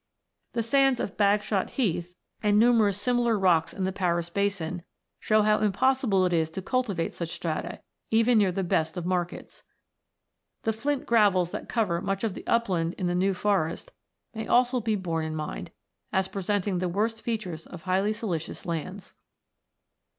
The sands of Bagshot Heath, and numerous 74 ROCKS AND THEIR ORIGINS [CH. similar areas in the Paris Basin, show how impossible it is to cultivate such strata, even near the best of markets. The flint gravels tha't cover much of the upland in the New Forest may also be borne in mind, as presenting the worst features of highly siliceous lands.